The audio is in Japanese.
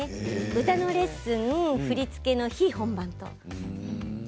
歌のレッスン、振り付けの日本番ということで。